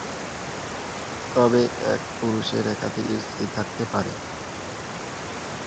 তবে এক পুরুষের একাধিক স্ত্রী থাকতে পারে।